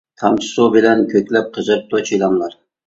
تامچە سۇ بىلەن كۆكلەپ، قىزىرىپتۇ چىلانلار.